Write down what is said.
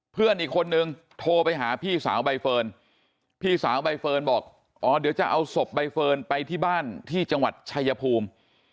เพื่อนอีกคนนึงโทรไปหาพี่สาวใบเฟิร์นพี่สาวใบเฟิร์นบอกอ๋อเดี๋ยวจะเอาศพใบเฟิร์นไปที่บ้านที่จังหวัดชายภูมิ